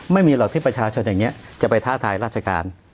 ไม่มีหรอกที่ประชาชนอย่างนี้จะไปท้าทายราชการ